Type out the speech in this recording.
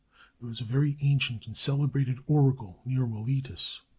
There was a very ancient and celebrated oracle near Miletus.